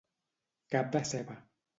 Cap de ceba.